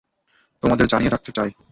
তোমাদের জানিয়ে রাখতে চাই।